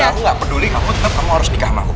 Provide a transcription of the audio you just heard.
dan aku gak peduli kamu tetep harus nikah sama aku